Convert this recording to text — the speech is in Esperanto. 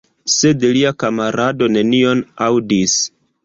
Sed lia kamarado nenion aŭdis.